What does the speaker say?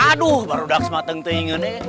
aduh baru udah semateng tinginnya